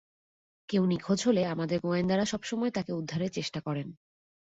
কেউ নিখোঁজ হলে আমাদের গোয়েন্দারা সব সময় তাকে উদ্ধারের চেষ্টা করেন।